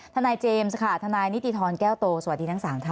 ทนายเจมส์ค่ะทนายนิติธรแก้วโตสวัสดีทั้ง๓ท่าน